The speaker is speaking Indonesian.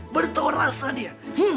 bertuhu rasa dia